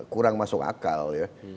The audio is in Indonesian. kurang masuk akal